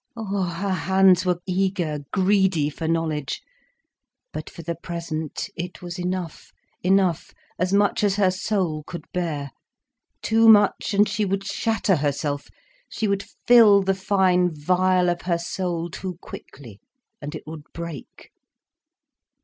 Ah, her hands were eager, greedy for knowledge. But for the present it was enough, enough, as much as her soul could bear. Too much, and she would shatter herself, she would fill the fine vial of her soul too quickly, and it would break.